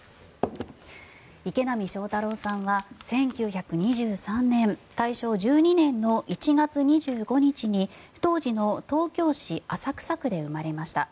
池波正太郎さんは１９２３年大正１２年の１月２５日に当時の東京市浅草区で生まれました。